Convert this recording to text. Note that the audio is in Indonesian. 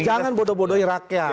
jangan bodoh bodoh irak ya